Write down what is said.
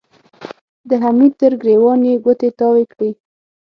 د حميد تر ګرېوان يې ګوتې تاوې کړې.